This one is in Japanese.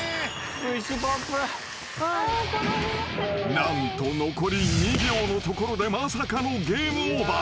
［何と残り２秒のところでまさかのゲームオーバー］